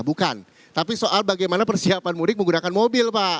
bukan tapi soal bagaimana persiapan mudik menggunakan mobil pak